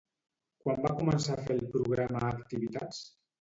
Quan va començar a fer el programa Activitats?